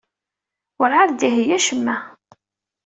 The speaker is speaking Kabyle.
Werɛad d-iheyya acemma.